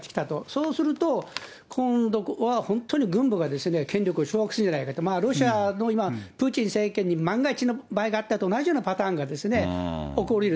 そうすると、今度は本当に、軍部が権力を掌握するんじゃないかって、ロシアも今、プーチン政権に万が一の場合があったのと同じようなパターンが起こりうる。